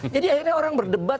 jadi akhirnya orang berdebat